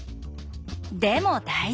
でも大丈夫。